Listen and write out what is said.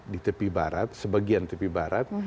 di tepi barat sebagian tepi barat